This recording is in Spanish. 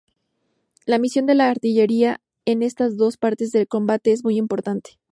La misión de la artillería en estas dos partes del combate es muy importante.